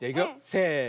せの。